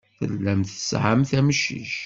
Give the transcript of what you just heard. Tellamt tesɛamt amcic.